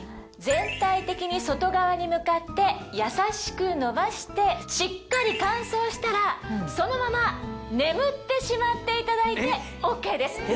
全体的に外側に向かって優しく伸ばしてしっかり乾燥したらそのまま眠ってしまっていただいてＯＫです。